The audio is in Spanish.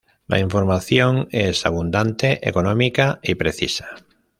La información es abundante, económica y precisa.